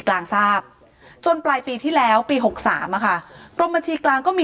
กลางทราบจนปลายปีที่แล้วปีหกสามอะค่ะกรมบัญชีกลางก็มี